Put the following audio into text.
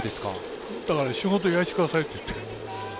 だから仕事やらせてくださいっていって。